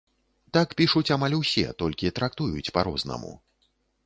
Так пішуць амаль усе, толькі трактуюць па-рознаму.